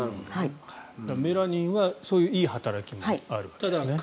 メラニンはそういういい働きもあるわけですね。